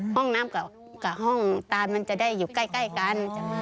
ห้องน้ำกับห้องตานมันจะได้อยู่ใกล้กัน